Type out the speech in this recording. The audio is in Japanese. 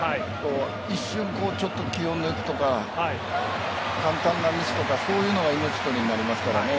一瞬、気を抜くとか簡単なミスとかそういうのが命取りになりますからね